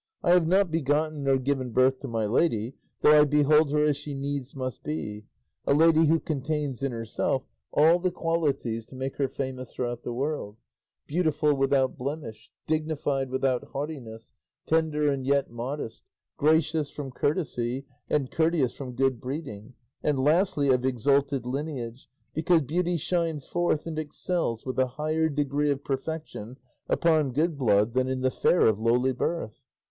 I have not begotten nor given birth to my lady, though I behold her as she needs must be, a lady who contains in herself all the qualities to make her famous throughout the world, beautiful without blemish, dignified without haughtiness, tender and yet modest, gracious from courtesy and courteous from good breeding, and lastly, of exalted lineage, because beauty shines forth and excels with a higher degree of perfection upon good blood than in the fair of lowly birth."